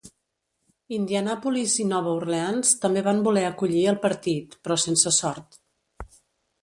Indianapolis i Nova Orleans també van voler acollir el partit, però sense sort.